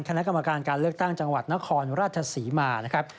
คณะกรรมการการเลือกตั้งจังหวัดนครราชศรีมานะครับ